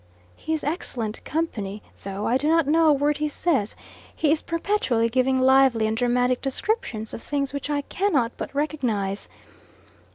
He is excellent company; though I do not know a word he says, he is perpetually giving lively and dramatic descriptions of things which I cannot but recognise.